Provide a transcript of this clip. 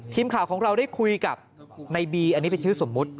ทีมข่าวของเราได้คุยกับในบีอันนี้เป็นชื่อสมมุติ